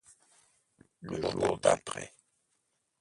Le Jour d’Après.